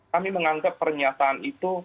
kami menganggap pernyataan itu